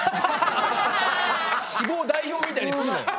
脂肪代表みたいにすんなよ。